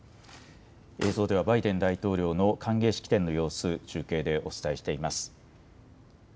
映像ではバイデン大統領の歓迎式典の様子、中継でお伝えしています。